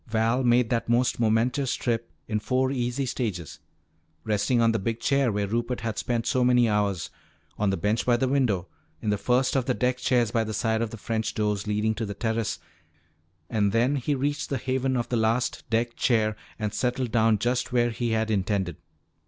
Val made that most momentous trip in four easy stages, resting on the big chair where Rupert had spent so many hours, on the bench by the window, in the first of the deck chairs by the side of the French doors leading to the terrace, and then he reached the haven of the last deck chair and settled down just where he had intended.